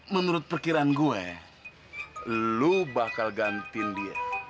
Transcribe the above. menurut perkiraan gue lu bakal gantiin dia